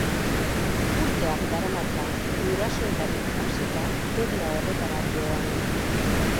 Urteak daramatza, gurasoetatik hasita, feria horretara joanez.